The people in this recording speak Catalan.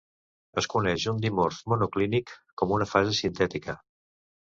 Es coneix un dimorf monoclínic com una fase sintètica.